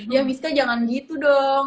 ya biska jangan gitu dong